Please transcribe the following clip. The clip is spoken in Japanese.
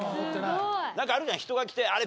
なんかあるじゃん人が来てあれ？